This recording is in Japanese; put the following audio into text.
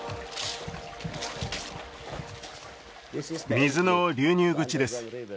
水の流入口です